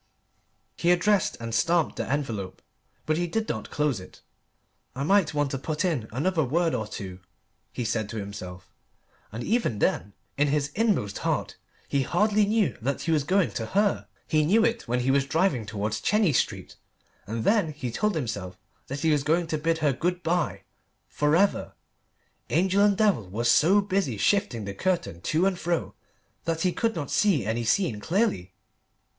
He addressed and stamped the envelope; but he did not close it. "I might want to put in another word or two," he said to himself. And even then in his inmost heart he hardly knew that he was going to her. He knew it when he was driving towards Chenies Street, and then he told himself that he was going to bid her good bye for ever. Angel and devil were so busy shifting the curtain to and fro that he could not see any scene clearly.